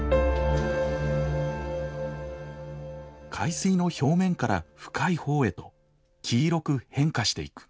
海水の表面から深い方へと黄色く変化していく。